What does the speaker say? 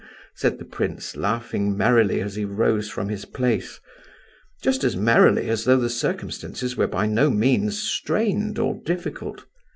said the prince, laughing merrily as he rose from his place; just as merrily as though the circumstances were by no means strained or difficult.